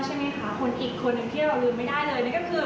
คนอีกคนนึงที่เรารู้ไม่ได้เลยนะก็คือ